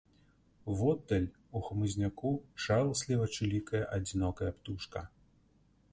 Воддаль, у хмызняку, жаласліва чылікае адзінокая птушка.